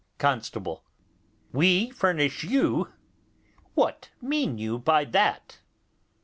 Constable. We furnish you! What mean you by that?